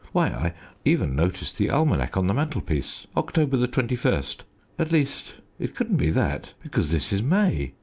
Why, I even noticed the almanack on the mantelpiece October 21. At least it couldn't be that, because this is May.